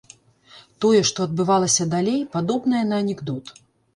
Тое, што адбывалася далей, падобнае на анекдот.